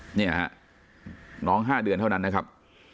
เนี่ยฮะน้อง๕เดือนเท่านั้นนะครับ